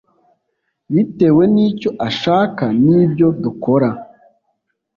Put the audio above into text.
bitewe n’icyo ashaka nibyo dukora”